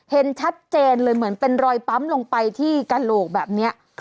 เห็นชัดเจนเลยเหมือนเป็นรอยปั๊มลงไปที่กระโหลกแบบนี้